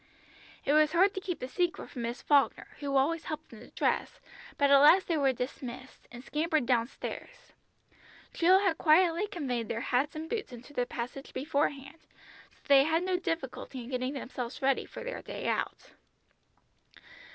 It was hard to keep the secret from Miss Falkner, who always helped them to dress, but at last they were dismissed, and scampered down stairs. Jill had quietly conveyed their hats and boots into the passage before hand, so they had no difficulty in getting themselves ready for their day out.